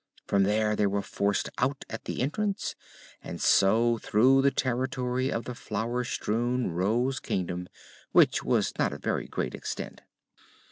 From there they were forced out at the entrance and so through the territory of the flower strewn Rose Kingdom, which was not of very great extent.